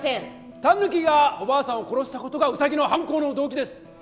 タヌキがおばあさんを殺した事がウサギの犯行の動機です。